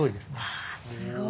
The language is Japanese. わすごい。